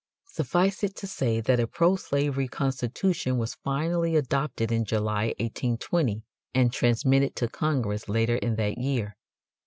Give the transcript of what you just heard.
Suffice it to say that a pro slavery constitution was finally adopted in July, 1820, and transmitted to Congress later in that year.